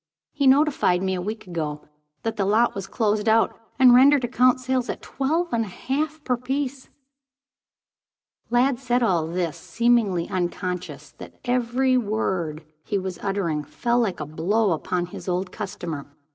He notified me, a week ago, that the lot was closed out, and rendered account sales at twelve and a half per piece." Lladd said all this seemingly unconscious that every word he was uttering fell like a blow upon his old customer.